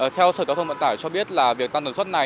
theo sở giao thông vận tải cho biết là việc tăng tần suất này